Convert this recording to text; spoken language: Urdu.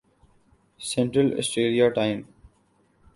central Australia time